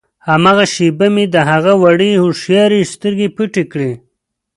هماغه شېبه مې د هغه وړې هوښیارې سترګې پټې کړې.